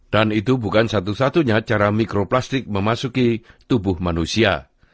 dan itu bukan satu satunya cara mikroplastik memasuki tubuh manusia